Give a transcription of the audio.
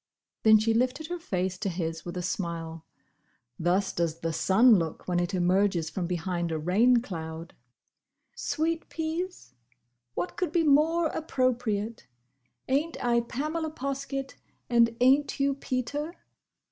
Then she lifted her face to his with a smile. Thus does the sun look when it emerges from behind a rain cloud. "Sweet peas? What could be more appropriate? Ain't I Pamela Poskett? and ain't you Peter?"